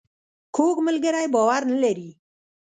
کوږ ملګری باور نه لري